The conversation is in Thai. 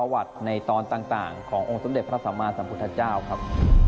วัดในตอนต่างขององค์สมเด็จพระสัมมาสัมพุทธเจ้าครับ